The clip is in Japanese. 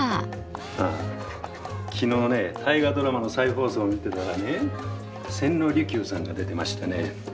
あ昨日ね大河ドラマの再放送を見てたらね千利休さんが出てましてね。